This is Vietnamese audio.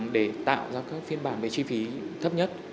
để tạo ra các phiên bản về chi phí thấp nhất